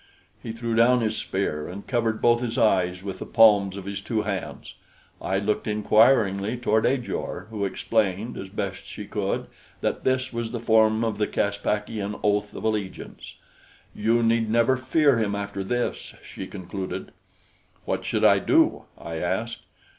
He threw down his spear and covered both his eyes with the palms of his two hands. I looked inquiringly toward Ajor, who explained as best she could that this was the form of the Caspakian oath of allegiance. "You need never fear him after this," she concluded. "What should I do?" I asked.